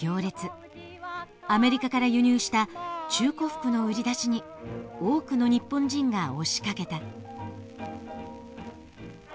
アメリカから輸入した中古服の売り出しに多くの日本人が押しかけた。